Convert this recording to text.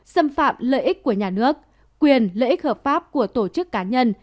xâm phạm lợi ích của nhà nước quyền lợi ích hợp pháp của tổ chức cá nhân